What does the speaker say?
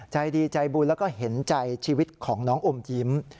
ใจดีใจบุญแล้วก็เห็นใจชีวิตของน้องอมยิ้ม